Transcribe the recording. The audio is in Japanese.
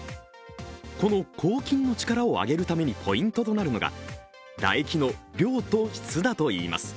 この抗菌の力を上げるためにポイントとなるのが唾液の量と質だといいます。